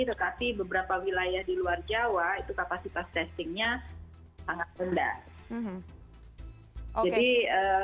tetapi beberapa wilayah di luar jawa itu kapasitas testingnya sangat rendah